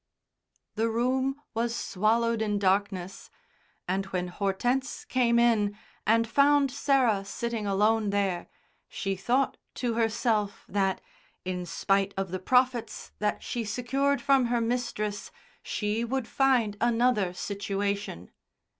The room was swallowed in darkness, and when Hortense came in and found Sarah sitting alone there, she thought to herself that, in spite of the profits that she secured from her mistress she would find another situation.